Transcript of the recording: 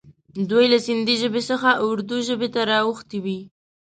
دوی له سیندي ژبې څخه اردي ژبې ته را اوښتي وي.